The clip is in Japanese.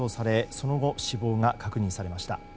その後、死亡が確認されました。